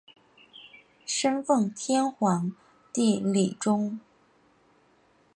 生奉天皇帝李琮。